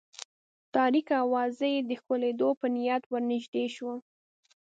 تاریکه وه، زه یې د ښکلېدو په نیت ور نږدې شوم.